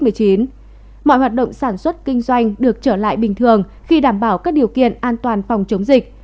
mọi hoạt động sản xuất kinh doanh được trở lại bình thường khi đảm bảo các điều kiện an toàn phòng chống dịch